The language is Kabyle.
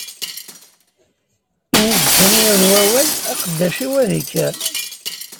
Ini-d kan yiwen n wawal, aqeddac-iw ad ikker.